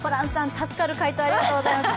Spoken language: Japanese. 助かる回答ありがとうございました。